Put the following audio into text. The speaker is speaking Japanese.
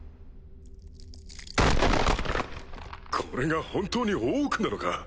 ・これが本当にオークなのか？